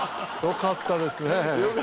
よかったですよね。